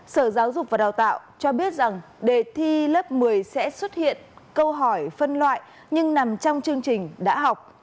sở giáo dục và đào tạo cho biết rằng đề thi lớp một mươi sẽ xuất hiện câu hỏi phân loại nhưng nằm trong chương trình đã học